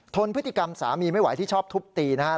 พฤติกรรมสามีไม่ไหวที่ชอบทุบตีนะครับ